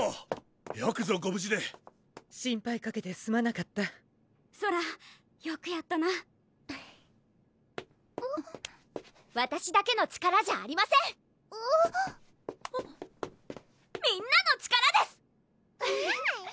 よくぞご無事で心配かけてすまなかったソラよくやったなわたしだけの力じゃありませんみんなの力です！